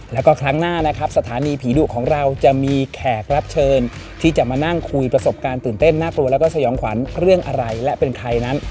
แล้วก็ครั้งหน้านะครับสถานีผีดุของเราจะมีแขกรับเชิญที่จะมานั่งคุยประสบการณ์ตื่นเต้นน่ากลัวแล้วก็สยองขวัญเรื่องอะไรและเป็นใครนั้น